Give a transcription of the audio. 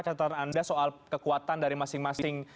catatan anda soal kekuatan dari masing masing